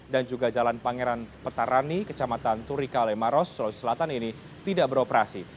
dan juga jalan pangeran petarani kecamatan turika maros sulawesi selatan ini tidak beroperasi